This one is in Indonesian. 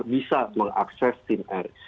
bisa mengakses simr